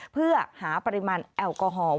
เพื่อหาปริมาณแอลกอฮอล์